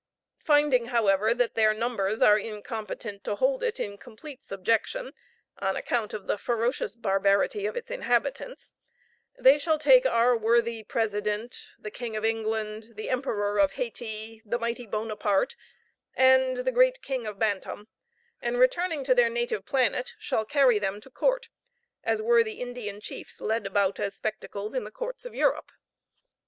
Finding however that their numbers are incompetent to hold it in complete subjection, on account of the ferocious barbarity of its inhabitants, they shall take our worthy President, the King of England, the Emperor of Hayti, the mighty Bonaparte, and the great King of Bantam, and, returning to their native planet, shall carry them to court, as were the Indian chiefs led about as spectacles in the courts of Europe.